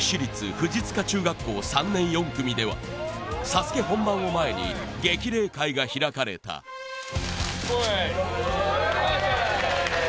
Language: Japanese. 藤塚中学校３年４組ではＳＡＳＵＫＥ本番を前に激励会が開かれたおいっ！